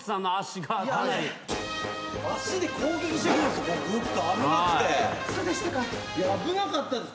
いや危なかった。